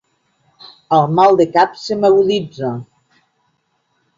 El mal de cap se m'aguditza.